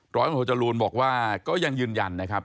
ร้อยลุงจรูลบอกว่าก็ยังยืนยันนะครับ